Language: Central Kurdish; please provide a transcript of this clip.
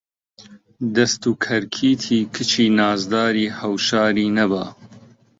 دەست و کەرکیتی کچی نازداری هەوشاری نەبا